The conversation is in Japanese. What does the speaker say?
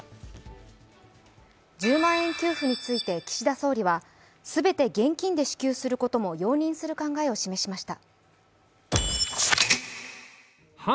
１０万円給付について岸田総理は、全て現金で給付することも容認する考えを示しました。